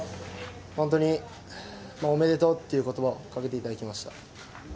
本当におめでとうということばをかけていただきました。